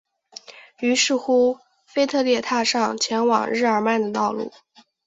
于是乎腓特烈踏上前往日尔曼的道路。